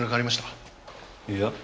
いや。